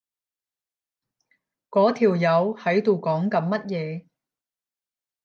嗰條友喺度講緊乜嘢？